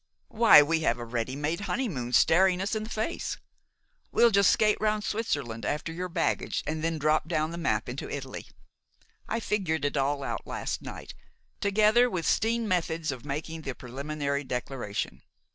Why, we have a ready made honeymoon staring us in the face. We'll just skate round Switzerland after your baggage and then drop down the map into Italy. I figured it all out last night, together with 'steen methods of making the preliminary declaration.